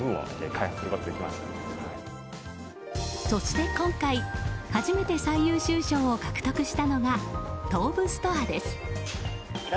そして今回初めて最優秀賞を獲得したのが東武ストアです。